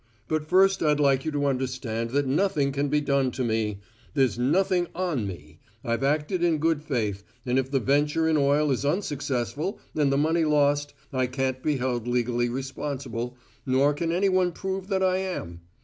But first I'd like you to understand that nothing can be done to me. There's nothing `on' me! I've acted in good faith, and if the venture in oil is unsuccessful, and the money lost, I can't be held legally responsible, nor can any one prove that I am.